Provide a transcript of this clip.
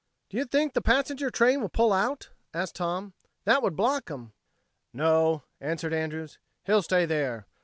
"Do you think the passenger train will pull out?" asked Tom. "That would block 'em." "No," answered Andrews. "He'll stay there.